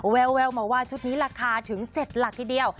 แววมาว่าชุดนี้ราคาถึง๗หลักทีเดียว